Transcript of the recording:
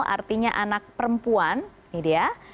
artinya anak perempuan ini dia